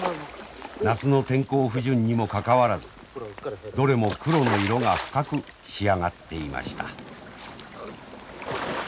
夏の天候不順にもかかわらずどれも黒の色が深く仕上がっていました。